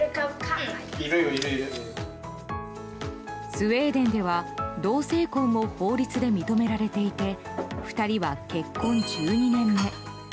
スウェーデンでは同性婚も法律で認められていて２人は結婚１２年目。